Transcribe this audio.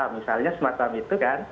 misalnya semacam itu kan